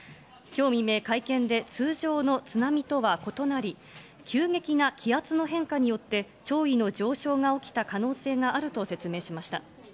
きょう未明、会見で、通常の津波とは異なり、急激な気圧の変化によって、潮位の上昇が起きた可能性があると説明しました。